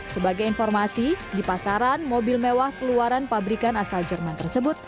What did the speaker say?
sebagai informasi di pasaran mobil mewah keluaran pabrikan asal jerman tersebut